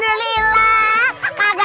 ya dia tanyam